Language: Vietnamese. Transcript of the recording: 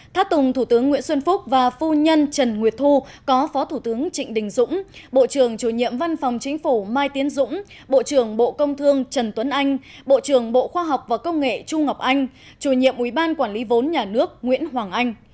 thát tùng thủ tướng nguyễn xuân phúc và phu nhân trần nguyệt thu có phó thủ tướng trịnh đình dũng bộ trưởng chủ nhiệm văn phòng chính phủ mai tiến dũng bộ trưởng bộ công thương trần tuấn anh bộ trưởng bộ khoa học và công nghệ chu ngọc anh chủ nhiệm ubnd nguyễn hoàng anh